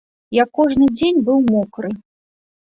Я кожны дзень быў мокры.